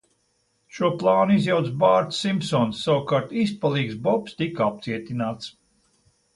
Šo plānu izjauca Bārts Simpsons, savukārt Izpalīgs Bobs tika apcietināts.